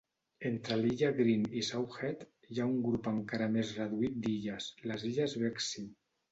Entre l"illa Green i South Head hi ha un grup encara més reduït d"illes, les illes Breaksea.